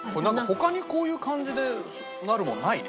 他にこういう感じでなるものないね。